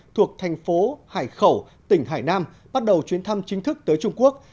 thuộc thành phố hải khẩu tỉnh hải nam bắt đầu chuyến thăm chính thức tới trung quốc